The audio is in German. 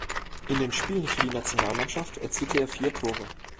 In den Spielen für die Nationalmannschaft erzielte er vier Tore.